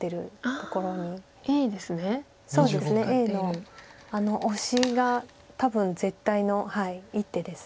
Ａのオシが多分絶対の一手です。